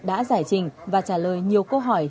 đã giải trình và trả lời nhiều câu hỏi